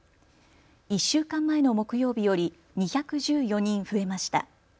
１週間前の木曜日より２１４人増えました。